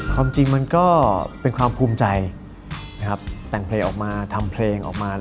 ความจริงมันก็เป็นความภูมิใจนะครับแต่งเพลงออกมาทำเพลงออกมา